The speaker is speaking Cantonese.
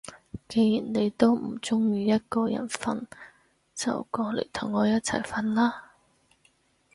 既然你都唔中意一個人瞓，就過嚟同我一齊瞓啦